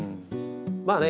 まあね